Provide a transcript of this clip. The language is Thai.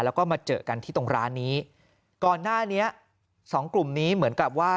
แล้วก็มาเจอกันที่ตรงร้านนี้ก่อนหน้านี้สองกลุ่มนี้เหมือนกับว่า